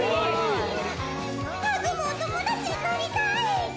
ハグもお友達になりたい！